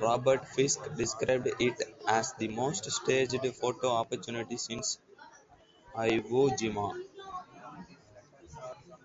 Robert Fisk described it as "the most staged photo opportunity since Iwo Jima".